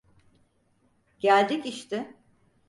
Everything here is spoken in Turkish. Geldik işte.